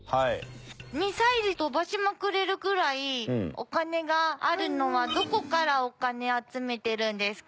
ミサイル飛ばしまくれるぐらいお金があるのはどこからお金集めてるんですか？